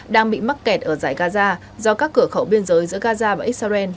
đang bị mắc kẹt ở giải gaza do các cửa khẩu biên giới giữa gaza và israel